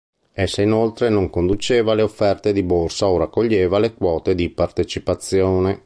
Essa inoltre non conduceva le offerte di borsa o raccoglieva le quote di partecipazione.